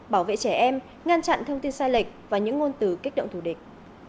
bảo vệ trẻ em ngăn chặn thông tin sai lệch và những ngôn từ kích động thù địch